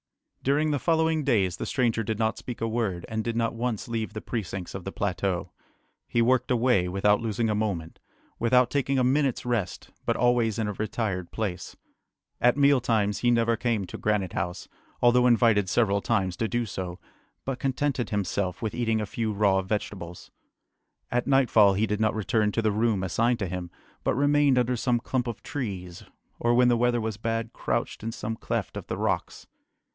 During the following days the stranger did not speak a word, and did not once leave the precincts of the plateau. He worked away, without losing a moment, without taking a minute's rest, but always in a retired place. At meal times he never came to Granite House, although invited several times to do so, but contented himself with eating a few raw vegetables. At nightfall he did not return to the room assigned to him, but remained under some clump of trees, or when the weather was bad crouched in some cleft of the rocks.